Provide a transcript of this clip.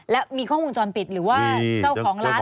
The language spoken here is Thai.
แล้วมีข้องวงจรปิดหรือว่าเจ้าของร้านอะไรได้กันหมด